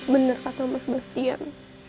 bener kata mas bastian